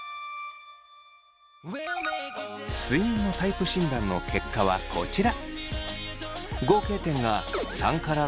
睡眠のタイプ診断の結果はこちら！